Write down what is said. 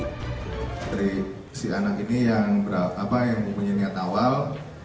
dari si anak ini yang mempunyai niat awal